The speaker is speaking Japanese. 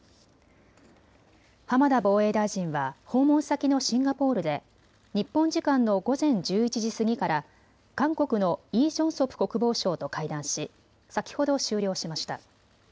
浜田防衛大臣は訪問先のシンガポールで日本時間の午前１１時過ぎから韓国のイ・ジョンソプ国防相と会談し先ほど終了しました。